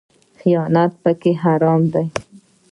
خیانت پکې حرام دی